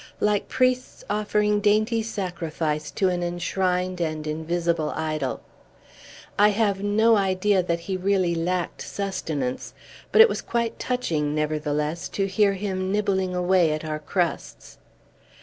like priests offering dainty sacrifice to an enshrined and invisible idol. I have no idea that he really lacked sustenance; but it was quite touching, nevertheless, to hear him nibbling away at our crusts.